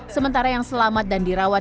sementara yang selamat dan dirawat